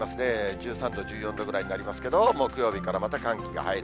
１３度、１４度ぐらいになりますけれども、木曜日からまた寒気が入る。